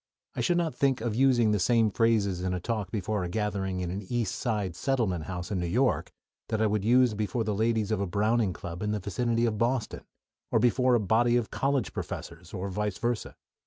I should not think of using the same phrases in a talk before a gathering in an East Side settlement house in New York that I would use before the ladies of a Browning Club in the vicinity of Boston, or before a body of college professors, or vice versa.